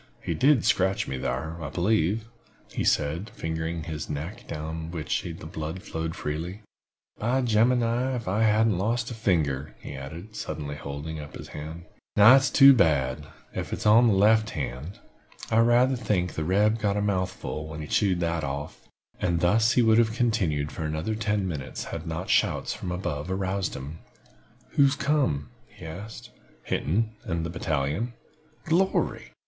He did scratch me thar, I believe," he said, fingering his neck, down which the blood flowed freely. "By Jemima, ef I haven't lost a finger!" he added, suddenly holding up his hand. "Now, that's too bad, ef it is on the left hand. I rayther think the reb got a mouthful when he chawed that off!" And thus he would have continued for another ten minutes had not shouts from above aroused him. "Who's come?" he asked. "Hinton and the battalion." "Glory!